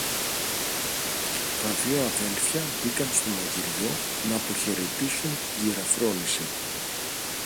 Τα δυο αδέλφια μπήκαν στο μαγειριό ν' αποχαιρετήσουν την κυρα-Φρόνηση